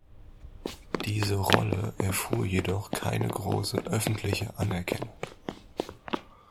Diese Rolle erfuhr jedoch keine große öffentliche Anerkennung.